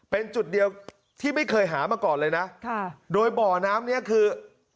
เป็นจุดเดียวที่ไม่เคยหามาก่อนเลยนะค่ะโดยบ่อน้ำเนี้ยคือ